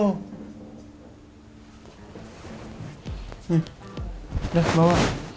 nih udah bawa